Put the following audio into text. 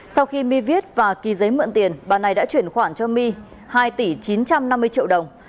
sau khi my viết và ký giấy mượn tiền bà này đã chuyển khoản cho my hai tỷ chín trăm năm mươi triệu đồng